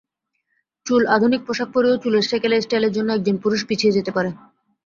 চুলআধুনিক পোশাক পরেও চুলের সেকেলে স্টাইলের জন্য একজন পুরুষ পিছিয়ে যেতে পারেন।